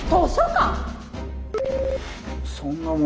「そんなもの